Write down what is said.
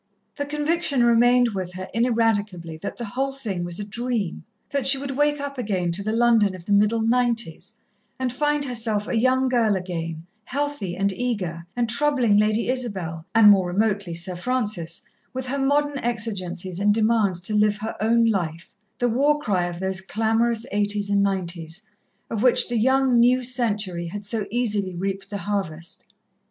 The conviction remained with her ineradicably that the whole thing was a dream that she would wake up again to the London of the middle 'nineties and find herself a young girl again, healthy and eager, and troubling Lady Isabel, and, more remotely, Sir Francis, with her modern exigencies and demands to live her own life, the war cry of those clamorous 'eighties and 'nineties, of which the young new century had so easily reaped the harvest.